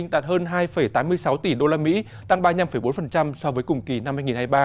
đạt hơn hai tám mươi sáu tỷ usd tăng ba mươi năm bốn so với cùng kỳ năm hai nghìn hai mươi ba